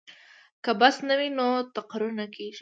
که بست نه وي نو تقرر نه کیږي.